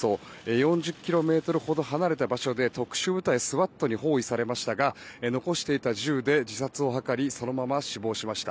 ４０ｋｍほど離れた場所で特殊部隊ＳＷＡＴに包囲されましたが残していた銃で自殺を図りそのまま死亡しました。